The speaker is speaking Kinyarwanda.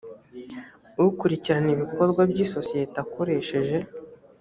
ukurikirana ibikorwa by isosiyete akoresheje